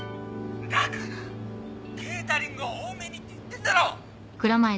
だからケータリングは多めにって言ってんだろ！